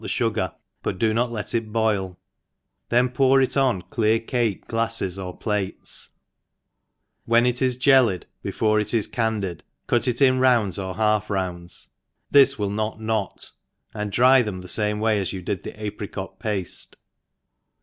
the fugar, but do not let it bjJI, then pour it on clenr cake glaffcs or plates, when it h jellied, before it is candied, cut it in rounds or half rounds, this will not knot 5 and diy them the £ame wajr as you did the apricot pafte.